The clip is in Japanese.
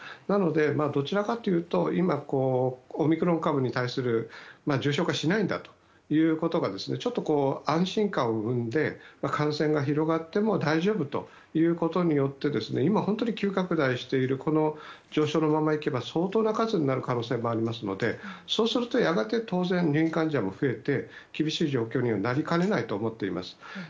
なので、どちらかというと今、オミクロン株に対する重症化しないんだということがちょっと安心感を生んで感染が広がっても大丈夫ということによって今、本当に急拡大している上昇のままいけば相当な数になる可能性もありますのでそうすると、やがて当然入院患者も増えて厳しい状況にはなりかねないと思っています。